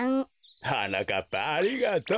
はなかっぱありがとう。